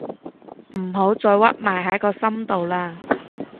唔好再屈埋喺個心度喇